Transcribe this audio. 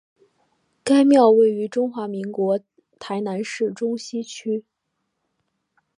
该庙位于中华民国台南市中西区。